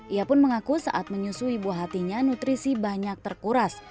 ia pun mengaku saat menyusui buah hatinya nutrisi banyak terkuras